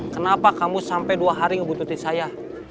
kenapa kamu sampai dua hari ngebuntuti saya